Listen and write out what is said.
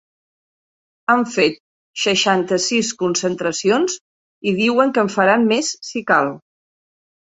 Han fet seixanta-sis concentracions, i diuen que en faran més si cal.